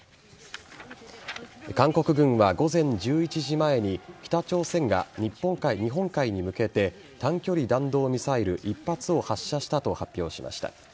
韓国軍は午前１１時前に北朝鮮が日本海に向けて短距離弾道ミサイル１発を発射したと発表しました。